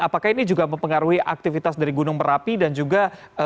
apakah ini juga mempengaruhi aktivitas dari gunung merapi dan juga